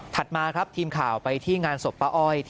มาครับทีมข่าวไปที่งานศพป้าอ้อย